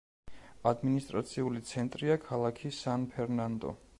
ადმინისტრაციული ცენტრია ქალაქი სან-ფერნანდო.